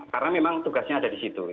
karena memang tugasnya ada di situ